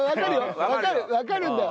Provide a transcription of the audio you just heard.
わかるんだよ。